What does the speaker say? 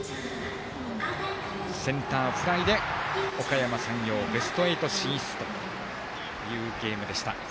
センターフライで、おかやま山陽ベスト８進出というゲームでした。